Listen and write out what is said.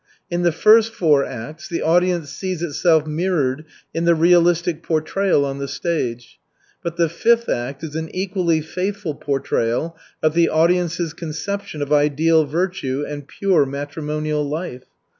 In the first four acts the audience sees itself mirrored in the realistic portrayal on the stage, but the fifth act is an equally faithful portrayal of the audience's conception of ideal virtue and pure matrimonial life.